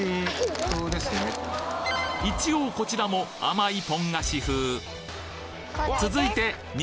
一応こちらも甘いポン菓子風これです。